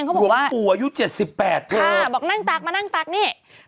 เมื่อ